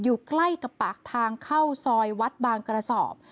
อยู่ใกล้กับปากทางเข้าซอยวัดบางกระสอบ